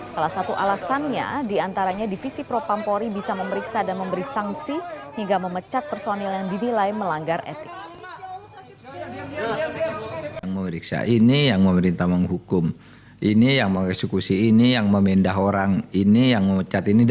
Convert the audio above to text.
salah satu alasannya diantaranya divisi propampori bisa memeriksa dan memberi sanksi hingga memecat personil yang dinilai melanggar etik